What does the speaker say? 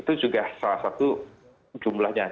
itu juga salah satu jumlahnya